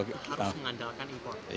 harus mengandalkan impor